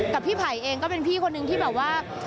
พี่ไผ่เองก็เป็นพี่คนนึงที่แบบว่า